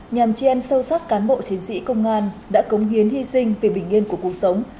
nhàm chien sâu sắc cán bộ chiến dị công an đã cống hiến hy sinh về bình yên của cuộc sống